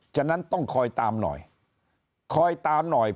ฉะนั้นต้องคอยตามหน่อยคอยตามหน่อย